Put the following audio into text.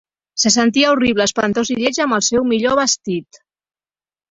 Se sentia horrible, espantós i lleig amb el seu millor vestit.